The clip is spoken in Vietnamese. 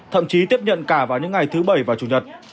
thậm chí tiếp nhận cả vào những ngày thứ bảy và chủ nhật